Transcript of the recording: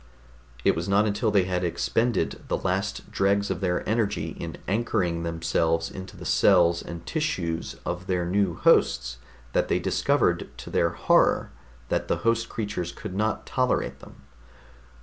It was not until they had expended the last dregs of their energy in anchoring themselves into the cells and tissues of their new hosts that they discovered to their horror that the host creatures could not tolerate them.